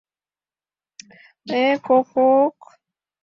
Э-ко-ко-о-ок...